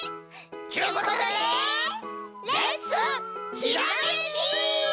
ちゅうことでレッツひらめき！